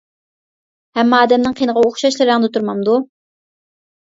ھەممە ئادەمنىڭ قېنىغا ئوخشاشلا رەڭدە تۇرمامدۇ.